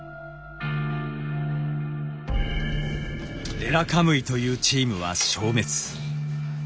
レラカムイというチームは消滅。